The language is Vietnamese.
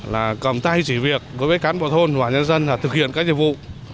là cầm tay chỉ việc đối với cán bộ thôn và nhân dân là thực hiện các nhiệm vụ